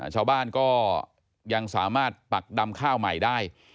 ชาวบ้านก็ยังสามารถปักดำข้าวใหม่ได้